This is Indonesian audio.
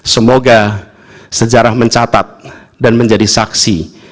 semoga sejarah mencatat dan menjadi saksi